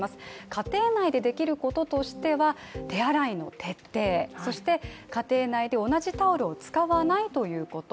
家庭内でできることとしては、手洗いの徹底、そして家庭内で同じタオルを使わないということ。